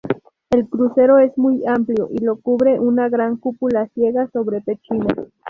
El crucero es muy amplio y lo cubre una gran cúpula ciega sobre pechinas.